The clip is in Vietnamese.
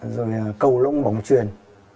rồi cầu lỗng bóng truyền